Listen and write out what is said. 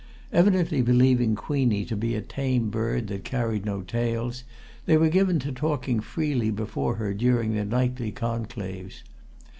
Evidently believing Queenie to be a tame bird that carried no tales, they were given to talking freely before her during their nightly conclaves.